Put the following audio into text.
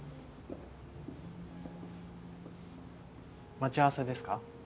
待ち合わせですか？